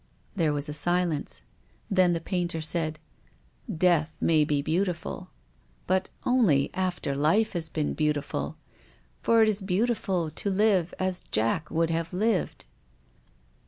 " There was a silence. Then the painter said :" Death may be beautiful, but only after life has been beautiful. For it is beautiful to live as Jack would have lived."